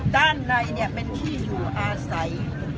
ด้านในเป็นที่อยู่อาศัย